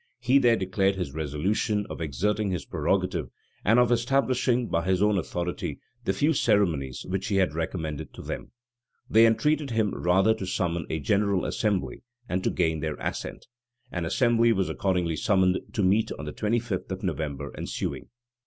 He there declared his resolution of exerting his prerogative, and of establishing, by his own authority, the few ceremonies which he had recommended to them. They entreated him rather to summon a general assembly, and to gain their assent. An assembly was accordingly summoned to meet on the twenty fifth of November ensuing.